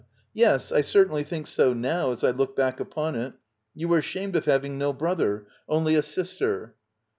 Yes, I certainly think so now, as I look back upon it. You were ashamed of having no brother — only a sister.